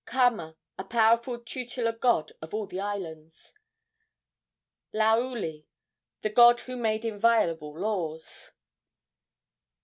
Kama, a powerful tutelar god of all the islands. Laauli, the god who made inviolable laws.